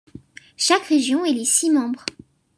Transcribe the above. Chaque région élit six membres.